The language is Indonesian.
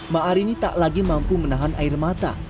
ma'arini tak lagi mampu menahan air mata